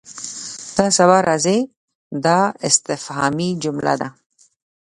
ته سبا راځې؟ دا استفهامي جمله ده.